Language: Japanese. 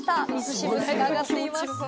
しぶきが上がっています。